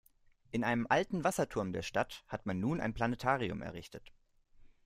In einem alten Wasserturm der Stadt hat man nun ein Planetarium errichtet.